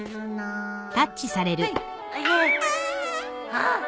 あっ！